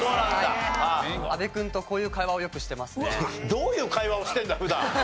どういう会話をしてるんだ普段。